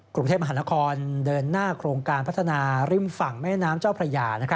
กรุงเทพมหานครเดินหน้าโครงการพัฒนาริมฝั่งแม่น้ำเจ้าพระยา